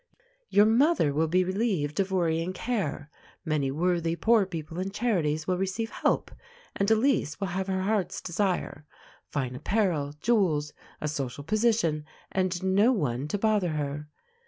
Your mother will be relieved of worry and care. Many worthy poor people and charities will receive help, and Elise will have her heart's desire fine apparel, jewels, a social position, and no one to bother her.